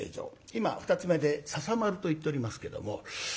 今二ツ目で笹丸といっておりますけども。